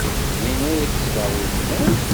Din ay tezdeɣ weltma-m?